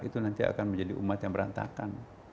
itu nanti akan menjadi umat yang berantakan